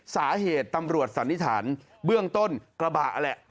สาเหตุตำรวจสันนิษฐานเบื้องต้นกระบะแหละ